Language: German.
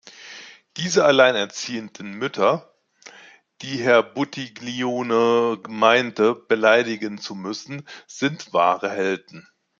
Diese allein erziehenden Mütter, die Herr Buttiglione meinte beleidigen zu müssen, sind wahre Helden.